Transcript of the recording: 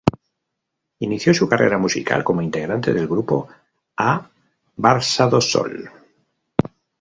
Inició su carrera musical como integrante del grupo A Barca do Sol.